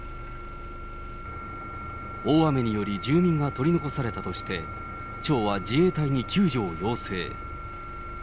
大雨により住民が取り残されたとして、町は自衛隊に救助を要請。